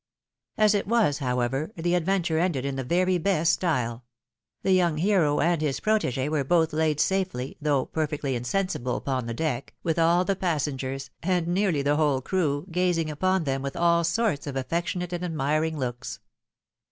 As it was, however, the adventure ended in the very best style ; the young hero and his protege were both laid safely, though perfectly insensible, upon the deck, with all the pas sengers, and nearly the whole crew, gazing upon them with all sorts of affectionate and admiring looks.